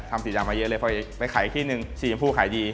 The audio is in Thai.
ทำสีดำมาเยอะเลยไปขายที่นึงสีจำพูขายดี